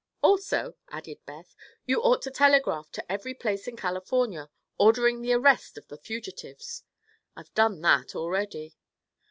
"Also," added Beth, "you ought to telegraph to every place in California, ordering the arrest of the fugitives." "I've done that already."